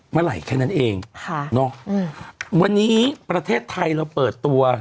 เมื่อไหร่แค่นั้นเองค่ะเนอะอืมวันนี้ประเทศไทยเราเปิดตัว